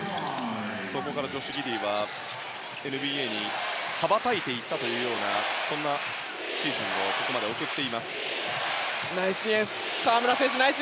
そこからジョシュ・ギディーはＮＢＡに羽ばたいていったそんなシーズンをここまで送っています。